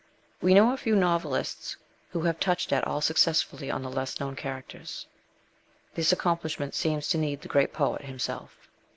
We know of few novelists who have touched at all successfully on the less known characters. This accomplishment seems to need the great poet himself.